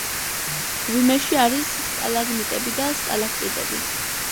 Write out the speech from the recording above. მღვიმეში არის სტალაგმიტები და სტალაქტიტები.